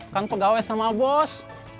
kan pegawai sama bos